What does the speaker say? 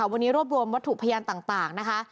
วันนี้รวบรวมวัตถุพยานต่างนะคะ